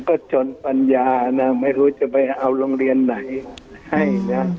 ก็จนปัญญานะไม่รู้จะไปเอาโรงเรียนไหนให้นะ